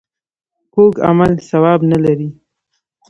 کوږ عمل ثواب نه لري